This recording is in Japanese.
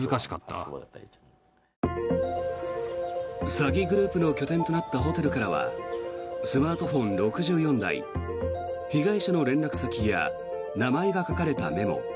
詐欺グループの拠点となったホテルからはスマートフォン６４台被害者の連絡先や名前が書かれたメモ